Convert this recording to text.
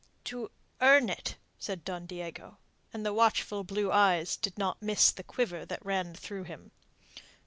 "To earn it?" said Don Diego, and the watchful blue eyes did not miss the quiver that ran through him.